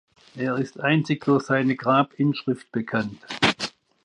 Er ist einzig durch seine Grabinschrift bekannt.